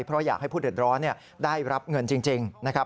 เพราะอยากให้ผู้เดือดร้อนได้รับเงินจริงนะครับ